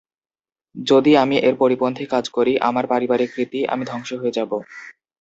যদি আমি এর পরিপন্থী কাজ করি, আমার পারিবারিক রীতি, আমি ধ্বংস হয়ে যাব।